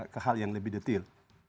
ke hal yang lebih detail